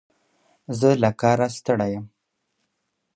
زه له کاره ستړی یم.